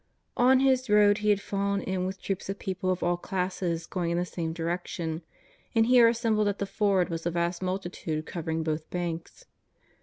On His road He had fallen in with troops of people of all classes going in the same direction, and here assembled at the ford was a vast multitude covering both banks.